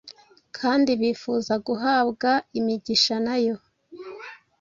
kandi bifuza guhabwa imigisha na Yo,